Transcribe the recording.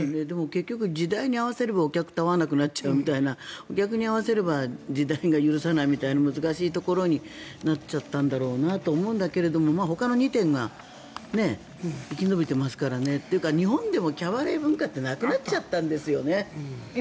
結局、時代に合わせればお客と合わなくなるみたいなお客に合わせれば時代が許さないみたいな難しいところになっちゃったんだろうなと思うけどほかの２店が生き延びてますからね。というか日本でもキャバレー文化ってなくなっちゃったんですよね。